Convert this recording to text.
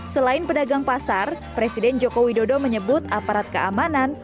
selain pedagang pasar presiden joko widodo menyebut aparat keamanan